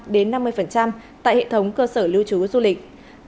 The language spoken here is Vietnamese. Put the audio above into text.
đến năm mươi tại hệ thống cơ sở lưu trú du lịch